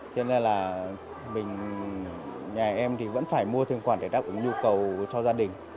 cho nên là nhà em thì vẫn phải mua thêm quản để đáp ứng nhu cầu cho gia đình